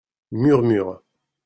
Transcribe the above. Murmures.